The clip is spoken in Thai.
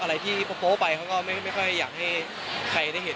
อะไรที่โป๊ไปเขาก็ไม่ค่อยอยากให้ใครได้เห็น